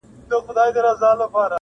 ته د ژوند له تنهایی څخه ډارېږې -